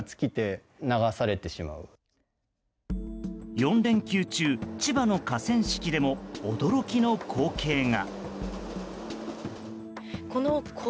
４連休中、千葉の河川敷でも驚きの光景が。